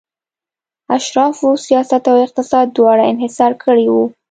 اشرافو سیاست او اقتصاد دواړه انحصار کړي وو.